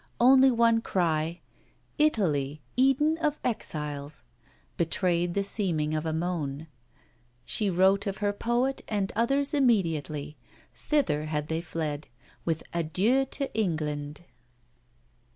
Only one cry: 'Italy, Eden of exiles!' betrayed the seeming of a moan. She wrote of her poet and others immediately. Thither had they fled; with adieu to England!